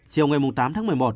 chiều ngày tám tháng một mươi một